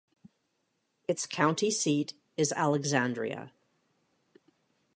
Its county seat is Alexandria.